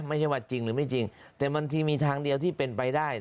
ไม่ใช่ว่าจริงหรือไม่จริงแต่บางทีมีทางเดียวที่เป็นไปได้